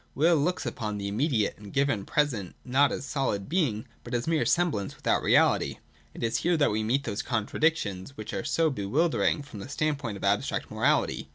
Will looks upon the immediate and given present not as solid being, but as mere semblance without reality. It is here that we meet those contradictions which are so be wildering from the standpoint of abstract morality.